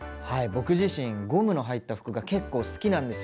僕自身ゴムの入った服が結構好きなんですよね。